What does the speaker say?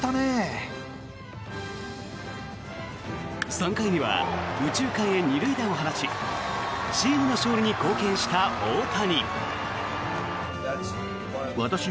３回には右中間へ２塁打を放ちチームの勝利に貢献した大谷。